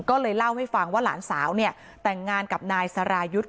ก็เลยเล่าให้ฟังว่าหลานสาวเนี่ยแต่งงานกับนายสรายุทธ์